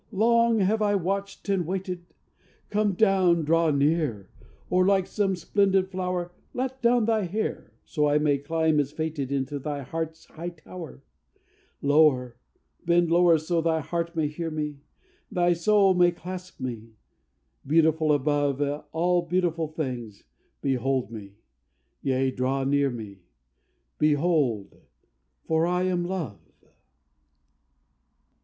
long have I watched and waited! Come down! draw near! or, like some splendid flower, Let down thy hair! so I may climb as fated Into thy heart's high tower. Lower! bend lower, so thy heart may hear me! Thy soul may clasp me!... Beautiful above All beautiful things, behold me, yea, draw near me; Behold! for I am Love."